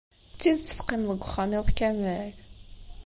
D tidet teqqimeḍ deg uxxam iḍ kamel?